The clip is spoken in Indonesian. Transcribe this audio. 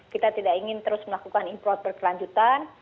kita tidak ingin terus melakukan import berkelanjutan